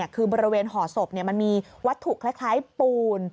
คือบริเวณห่อศพมันมีวัตถุคล้ายปูน